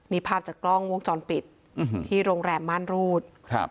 นี่ภาพจากกล้องวงจรปิดที่โรงแรมม่านรูดครับ